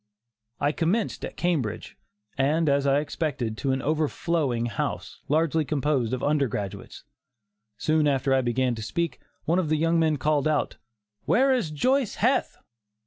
I commenced at Cambridge, and, as I expected, to an overflowing house, largely composed of undergraduates. Soon after I began to speak, one of the young men called out: "Where is Joice Heth?"